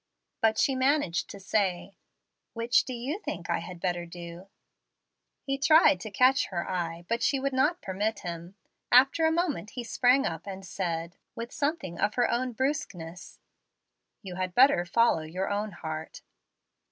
But she managed to say, "Which do you think I had better do?" He tried to catch her eye, but she would not permit him. After a moment he sprang up and said, with something of her own brusqueness, "You had better follow your own heart."